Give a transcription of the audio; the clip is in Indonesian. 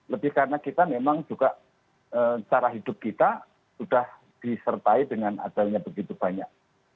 lebih karena kita memang juga cara hidup kita sudah disertai dengan adanya begitu banyak